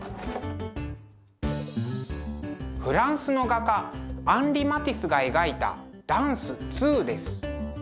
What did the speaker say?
フランスの画家アンリ・マティスが描いた「ダンスⅡ」です。